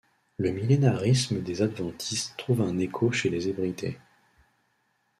Le millénarisme des adventistes trouve un écho chez les Hébridais.